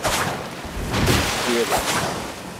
I tezwiremt?